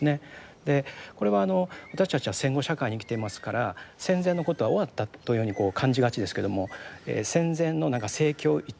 でこれはあの私たちは戦後社会に生きていますから戦前のことは終わったというふうにこう感じがちですけども戦前のなんか政教一致